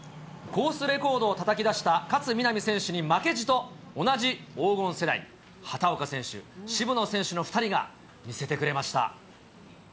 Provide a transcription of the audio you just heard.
コースレコードをたたき出した勝みなみ選手に負けじと、同じ黄金世代、畑岡選手、渋野選手の２人が見せてくれました。